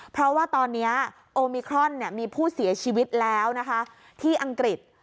เพราะว่าตอนนี้โอมิครอนมีผู้เสียชีวิตแล้วนะคะที่อังกฤษ